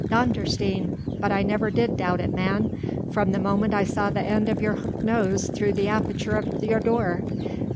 "Dondersteen! but I never did doubt it, man, from the moment I saw the end of your hooked nose through the aperture of your door.